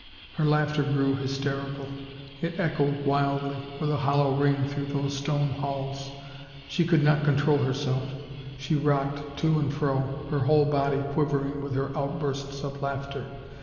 Her laughter grew hysterical; it echoed wildly with a hollow ring through those stone halls. She could not control herself, she rocked to and fro, her whole body quivering with her out bursts of laughter.